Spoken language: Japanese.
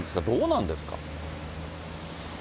どうなんですか。